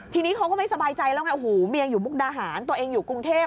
ทีนี้เขาก็ไม่สบายใจแล้วไงโอ้โหเมียอยู่มุกดาหารตัวเองอยู่กรุงเทพ